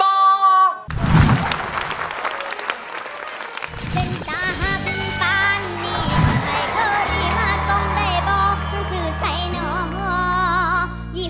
เป็นตาหาคุณฟ้านนี่